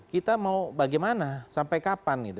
kita mau bagaimana sampai kapan gitu